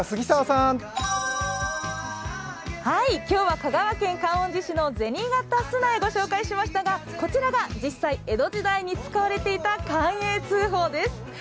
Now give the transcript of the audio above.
今日は香川県観音寺市の銭形砂絵をご紹介しましたがこちらが実際、江戸時代に使われていた寛永通宝です。